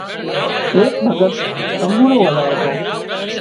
اِي ڀڳت تمٻورو وزاۯتو